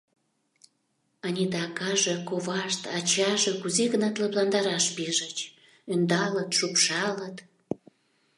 Анита акаже, ковашт, ачаже кузе-гынат лыпландараш пижыч, ӧндалыт, шупшалыт.